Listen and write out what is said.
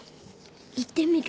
行ってみる？